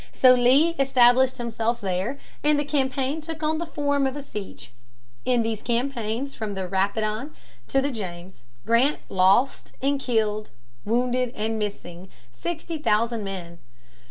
So Lee established himself there, and the campaign took on the form of a siege. In these campaigns from the Rapidan to the James, Grant lost in killed, wounded, and missing sixty thousand men.